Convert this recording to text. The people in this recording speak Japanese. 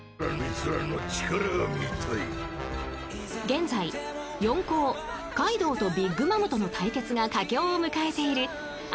［現在四皇カイドウとビッグ・マムとの対決が佳境を迎えているアニメ